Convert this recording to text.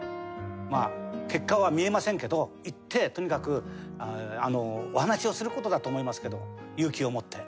まあ結果は見えませんけど行ってとにかくお話をする事だと思いますけど勇気を持って。